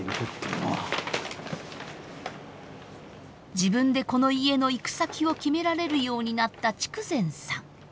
自分でこの家の行く先を決められるようになった筑前さん。